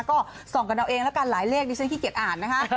ก็ส่องกันเอาเองแล้วกันหลายเลขดิฉันขี้เกียจอ่านนะคะ